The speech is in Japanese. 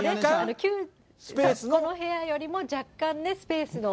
この部屋より若干スペースの。